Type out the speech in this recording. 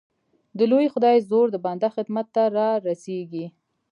د لوی خدای زور د بنده خدمت ته را رسېږي.